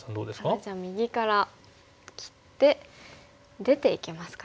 それじゃあ右から切って出ていけますかね。